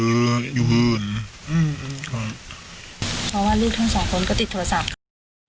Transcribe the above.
เพราะว่าลูกทั้งสองคนก็ติดโทรศัพท์ค่ะ